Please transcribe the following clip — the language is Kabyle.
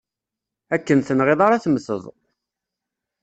Akken tenɣiḍ ara temmteḍ!